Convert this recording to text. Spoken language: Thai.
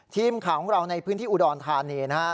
ทีมข่าวของเราในพื้นที่อุดรธานีนะฮะ